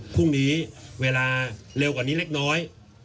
พรุ่งนี้เวลาเร็วกว่านี้เล็กน้อย